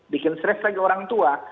bikin stres lagi orang tua